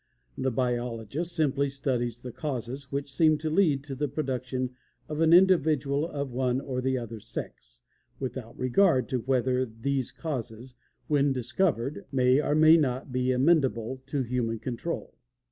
The biologist simply studies the causes which seem to lead to the production of an individual of one or the other sex, without regard to whether these causes, when discovered, may or may not be amendable to human control.